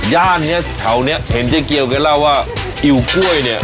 ย่านเนี้ยแถวเนี้ยเห็นเจ๊เกียวแกเล่าว่าอิ๋วกล้วยเนี่ย